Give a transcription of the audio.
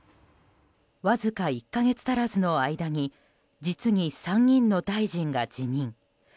わずか１か月足らずの間に実に３人の大臣が辞任。